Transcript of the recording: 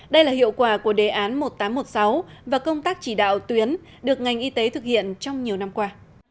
đây là hiệu quả của đề án một nghìn tám trăm một mươi sáu và công tác chỉ đạo tuyến được ngành y tế thực hiện trong nhiều năm qua